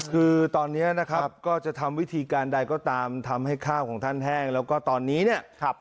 คือตอนนี้นะครับก็จะทำวิธีการใดก็ตามทำให้ข้าวของท่านแห้งแล้วก็ตอนนี้เนี่ย